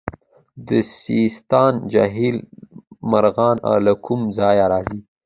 د سیستان جهیل مرغان له کوم ځای راځي؟